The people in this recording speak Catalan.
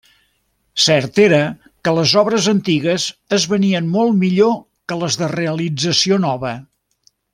Cert era que les obres antigues es venien molt millor que les de realització nova.